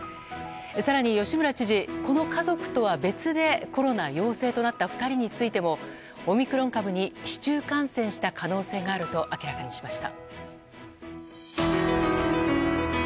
更に、吉村知事この家族とは別でコロナ陽性となった２人についてもオミクロン株に市中感染した可能性があると明らかにしました。